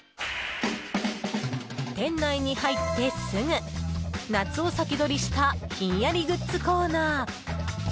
店内に入ってすぐ夏を先取りしたひんやりグッズコーナー。